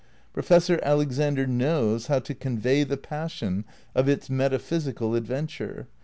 Professor Alexander knows how to convey the passion of its metaphysical adventure.